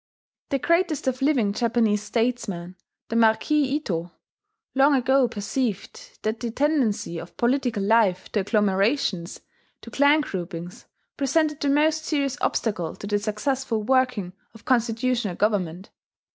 The greatest of living Japanese statesmen, the Marquis Ito, long ago perceived that the tendency of political life to agglomerations, to clan groupings, presented the most serious obstacle to the successful working of constitutional government.